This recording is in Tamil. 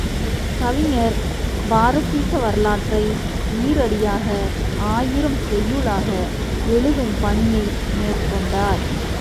கவிஞர், பாரசீக வரலாற்றை ஈரடியாக ஆயிரம் செய்யுளாக எழுதும் பணியை மேற்கொண்டார்.